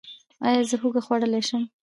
ایا زه هوږه خوړلی شم؟